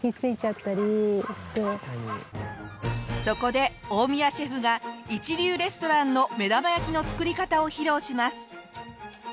そこで大宮シェフが一流レストランの目玉焼きの作り方を披露します！